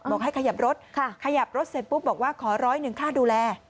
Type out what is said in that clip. ให้ขยับรถขยับรถเสร็จปุ๊บบอกว่าขอร้อยหนึ่งค่าดูแล